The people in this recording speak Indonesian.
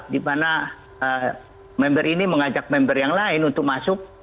dimana member ini mengajak member yang lain untuk masuk